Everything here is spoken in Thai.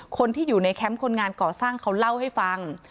คนที่อยู่ในแคมป์คนงานก่อสร้างเขาเล่าให้ฟัง